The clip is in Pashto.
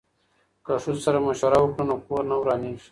که ښځو سره مشوره وکړو نو کور نه ورانیږي.